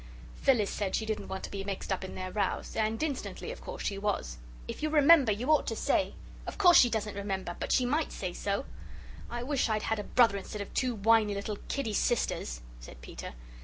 Phyllis said she didn't want to be mixed up in their rows. And instantly, of course, she was. "If you remember, you ought to say." "Of course she doesn't remember but she might say so." "I wish I'd had a brother instead of two whiny little kiddy sisters," said Peter.